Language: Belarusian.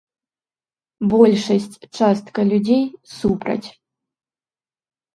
Большасць частка людзей супраць.